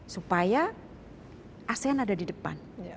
supaya asean ada di depan